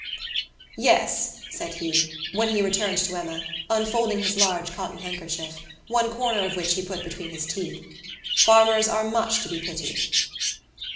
"Yes," said he, when he returned to Emma, unfolding his large cotton handkerchief, one corner of which he put between his teeth, "farmers are much to be pitied."